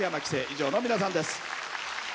以上の皆さんです。